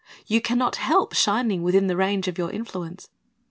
You can not help shining within the range of your influence.